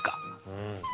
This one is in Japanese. うん。